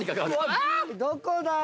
どこだよ？